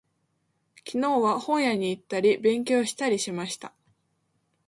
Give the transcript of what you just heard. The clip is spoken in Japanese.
昨日は、本屋に行ったり、勉強したりしました。